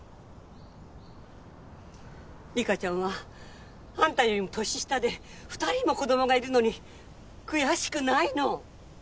リカちゃんはあんたよりも年下で２人も子供がいるのに悔しくないの！？